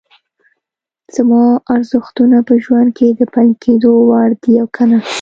زما ارزښتونه په ژوند کې د پلي کېدو وړ دي او که نه؟